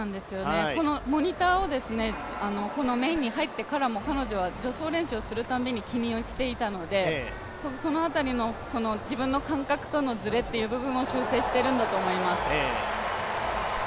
モニターをこのメインに入ってからも、彼女は助走練習をするたびに気にしていたので、その辺りの自分の感覚とのずれっていうのを修正してるんだと思います。